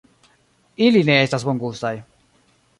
Ili ne estas bongustaj